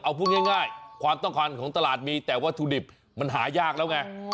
เอาพูดง่ายความต้องการของตลาดมีแต่วัตถุดิบมันหายากแล้วไง